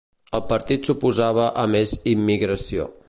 El partit s'oposava a més immigració.